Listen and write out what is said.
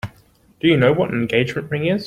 Do you know what an engagement ring is?